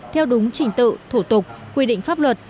theo đúng trình tự thủ tục quy định pháp luật